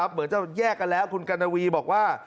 เหมือนจะแยกกันแล้วคุณกัณวีบอกว่า